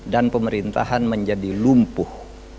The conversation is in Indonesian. dan pemerintahan menjadi lumpuh